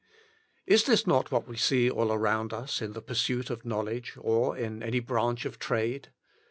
Is this not what we see all around us in the pursuit of knowledge, or in any branch of trade?